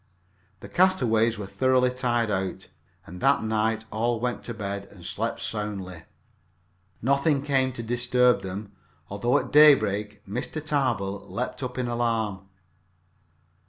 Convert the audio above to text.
The castaways were thoroughly tired out, and that night all went to bed and slept soundly. Nothing came to disturb them, although at daybreak Mr. Tarbill leaped up in alarm.